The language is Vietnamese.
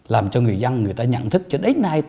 làm cho người dân người ta nhận thức cho đến nay